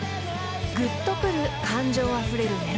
［ぐっとくる感情あふれるメロディー］